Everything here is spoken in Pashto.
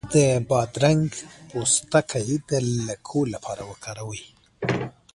د بادرنګ پوستکی د لکو لپاره وکاروئ